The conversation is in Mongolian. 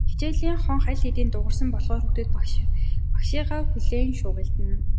Хичээлийн хонх аль хэдийн дуугарсан болохоор хүүхдүүд багшийгаа хүлээн шуугилдана.